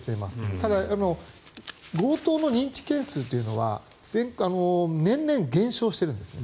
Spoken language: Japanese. ただ、強盗の認知件数というのは年々減少してるんですね。